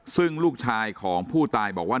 ซึ่งลูกชายของผู้ตายบอกว่า